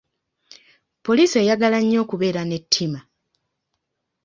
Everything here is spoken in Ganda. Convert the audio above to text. Poliisi eyagala nnyo okubeera n'ettima.